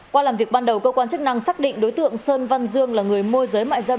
qua làm việc ban đầu cơ quan chức năng xác định đối tượng sơn văn dương là người môi giới mại dâm